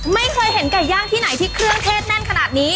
ไม่เคยเห็นไก่ย่างที่ไหนที่เครื่องเทศแน่นขนาดนี้